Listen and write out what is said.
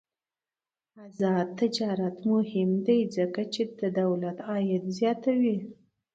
آزاد تجارت مهم دی ځکه چې دولت عاید زیاتوي.